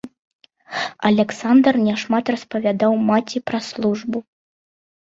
Аляксандр няшмат распавядаў маці пра службу.